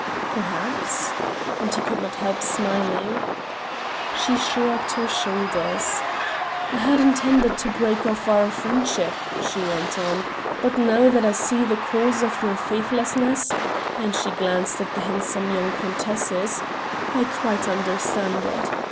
"Perhaps," and he could not help smiling. She shrugged her shoulders: "I had intended to break off our friendship," she went on, "but now that I see the cause of your faithlessness," and she glanced at the handsome young countesses "I quite understand it.